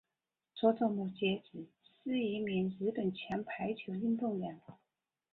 佐佐木节子是一名日本前排球运动员。